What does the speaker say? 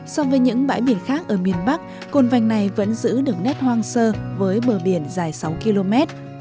so với những bãi biển khác ở miền bắc cồn vành này vẫn giữ được nét hoang sơ với bờ biển dài sáu km